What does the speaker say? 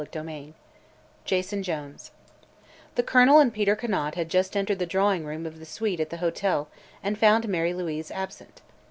CHAPTER XXV JASON JONES The Colonel and Peter Conant had just entered the drawing room of the suite at the hotel and found Mary Louise absent.